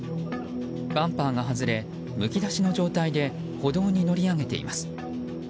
バンパーが外れむき出しの状態で歩道に乗り上げています。